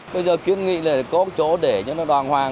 bây giờ kiến nghị là có chỗ để cho nó đoàn hoàng